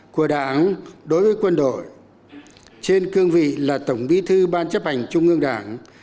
của đảng đối với quân đội trên cương vị là tổng bí thư ban chấp hành trung ương đảng